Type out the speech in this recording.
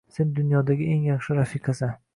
Sen dunyodagi eng yaxshi rafiqasan